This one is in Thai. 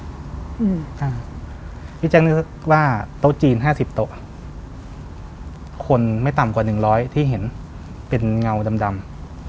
พี่แจ๊คนึกว่าโต๊ะจีนห้าสิบโต๊ะคนไม่ต่ำกว่าหนึ่งร้อยที่เห็นเป็นเงาดำ